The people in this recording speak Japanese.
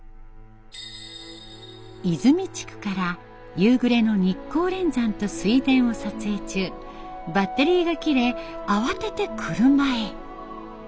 和泉地区から夕暮れの日光連山と水田を撮影中バッテリーが切れ慌てて車へ。